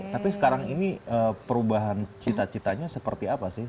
tapi sekarang ini perubahan cita citanya seperti apa sih